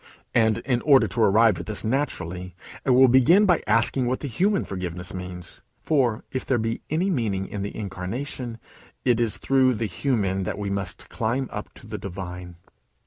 And in order to arrive at this naturally, I will begin by asking what the human forgiveness means; for, if there be any meaning in the Incarnation, it is through the Human that we must climb up to the Divine.